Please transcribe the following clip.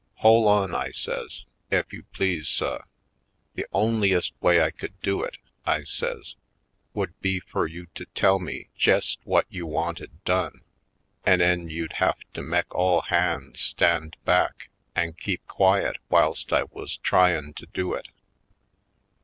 "Hole on," I says, "ef you please, suh. The onliest way I could do it," I says, "would be fur you to tell me jest whut you wanted done an' 'en you'd have to mek all hands stand back an' keep quiet whilst I wuz tryin' to do it.